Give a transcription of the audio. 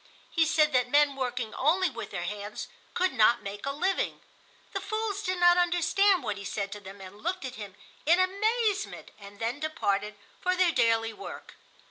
He said that men working only with their hands could not make a living. The fools did not understand what he said to them and looked at him in amazement, and then departed for their daily work.